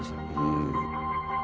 うん。